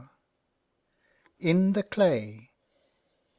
IN THE CLAY.